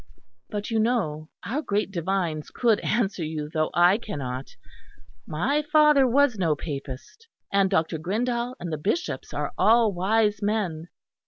But you know our great divines could answer you, though I cannot. My father was no Papist; and Dr. Grindal and the Bishops are all wise men.